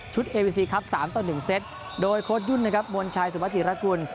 ชุดเอฟีซีคลับสามต้มหนึ่งเซตโดยโคตรยุ่นนะครับมวลชายสมาธิรกุล